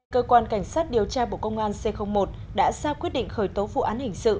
cơ quan cảnh sát điều tra bộ công an c một đã ra quyết định khởi tố vụ án hình sự